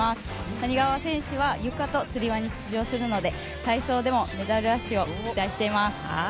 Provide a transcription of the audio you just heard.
谷川選手は吊り輪に参加するので体操でもメダルラッシュを期待しています。